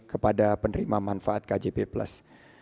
kepada penerima manfaat kjp plus